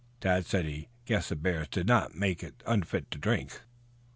Tad said he guessed the bears had not made it unfit to drink.